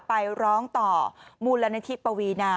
ไปร้องต่อมูลนิธิปวีนา